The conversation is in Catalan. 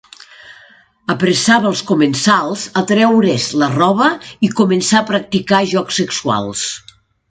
Apressava els comensals a treure's la roba i començar a practicar jocs sexuals.